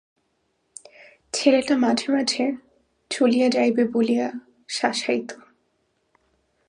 ছেলেটা মাঝে মাঝে চলিয়া যাইবে বলিয়া শাসাইত।